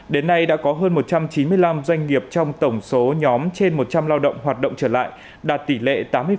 đến nay đã có hơn một trăm chín mươi năm doanh nghiệp trong tổng số nhóm trên một trăm linh lao động hoạt động trở lại đạt tỷ lệ tám mươi